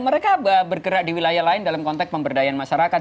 mereka bergerak di wilayah lain dalam konteks pemberdayaan masyarakat